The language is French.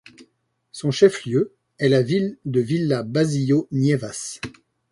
Son chef-lieu est la ville de Villa Basilio Nievas.